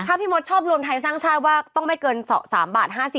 ถ้าพี่มดชอบรวมไทยสร้างชาติว่าต้องไม่เกิน๒๓บาท๕๐